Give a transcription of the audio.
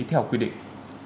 theo quy định